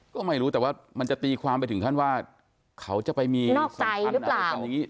ก็ไม่รู้แต่ว่ามันจะตีความไปถึงขั้นว่าเขาจะไปมีสำคัญอันนี้